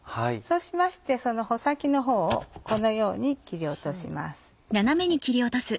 そうしましてその穂先のほうをこのように切り落とします。